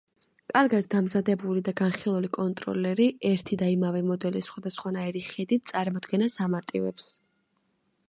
კარგად დამზადებული და განხილული კონტროლერი ერთი და იმავე მოდელის სხვადასხვანაირი ხედით წარმოდგენას ამარტივებს.